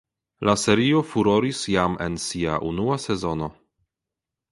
La serio furoris jam en sia unua sezono.